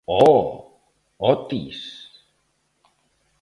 Oh, Otis!